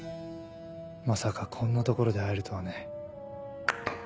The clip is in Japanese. まさかこんな所で会えるとはね。